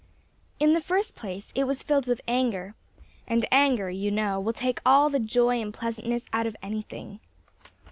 In the first place, it was filled with anger, and anger, you know, will take all the joy and pleasantness out of anything.